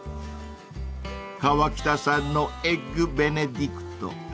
［河北さんのエッグベネディクト］